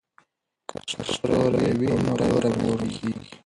که ستوری وي نو لوری نه ورکیږي.